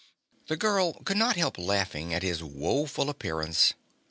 The girl could not help laughing at his woeful appearance.